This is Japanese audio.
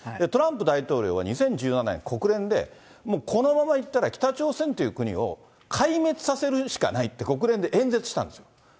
トランプ大統領は２０１７年、国連で、もうこのままいったら、北朝鮮という国を壊滅させるしかないって、国連で演説したんですよ。